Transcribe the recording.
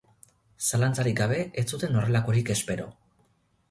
Zalantzarik gabe, ez zuten horrelakorik espero.